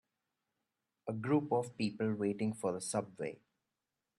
A group of people waiting for the subway.